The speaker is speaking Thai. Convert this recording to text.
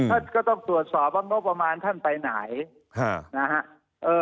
ก็ต้องตรวจสอบว่างบประมาณท่านไปไหนนะฮะ